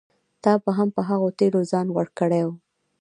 تا به هم په هغو تېلو ځان غوړ کړی و.